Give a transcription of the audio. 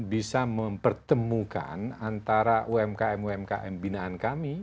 bisa mempertemukan antara umkm umkm binaan kami